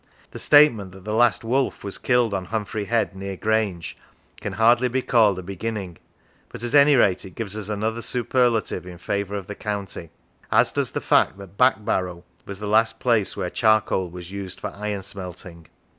The statement that the last wolf was killed on Humphrey Head, near Grange, can hardly be called a beginning, but at any rate it gives us another superlative in favour of the county; as does also the fact that Backbarrow was the last place where charcoal was used for iron smelting.